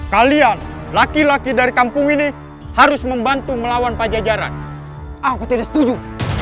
kalian laki laki dari kampung ini harus membantu melawan pajajaran aku tidak setuju